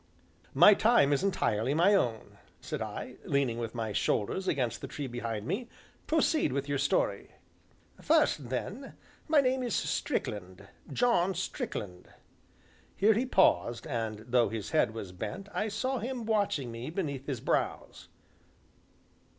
"My time is entirely my own," said I, leaning with my shoulders against the tree behind me; "proceed with your story." "First, then, my name is Strickland John Strickland!" Here he paused, and, though his head was bent, I saw him watching me beneath his brows.